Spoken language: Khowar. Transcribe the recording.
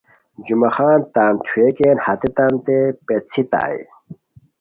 جمعہ خان تان تھوویکین ہیتانتے پیڅھیتائے